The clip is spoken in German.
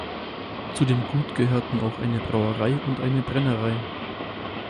Zu dem Gut gehörten auch eine Brauerei und eine Brennerei.